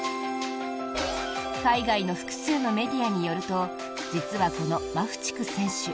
海外の複数のメディアによると実はこのマフチク選手